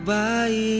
gue akan pergi